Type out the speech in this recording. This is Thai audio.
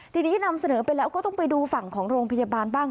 ทีนี้นำเสนอไปแล้วก็ต้องไปดูฝั่งของโรงพยาบาลบ้าง